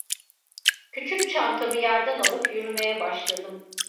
Küçük çantamı yerden alıp yürümeye başladım.